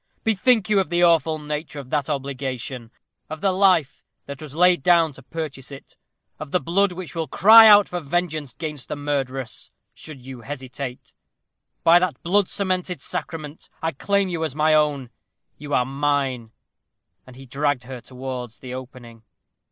Bethink you of the awful nature of that obligation; of the life that was laid down to purchase it; of the blood which will cry out for vengeance 'gainst the murderess, should you hesitate. By that blood cemented sacrament, I claim you as my own. You are mine." And he dragged her towards the opening.